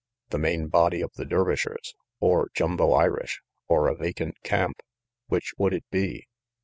The main body of the Dervishers, or Jumbo Irish, or a vacant camp which would it be?